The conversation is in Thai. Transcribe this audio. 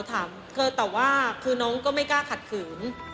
เคยแต่ว่าคือน้องก็ไม่กล้าขัดขืน